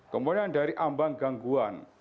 kemudian dari ambang gangguan